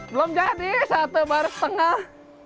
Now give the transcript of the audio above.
belum jadi satu baru setengah